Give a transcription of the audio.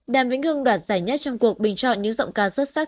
đàm vĩnh hưng đoạt giải nhất trong cuộc bình chọn những giọng ca xuất sắc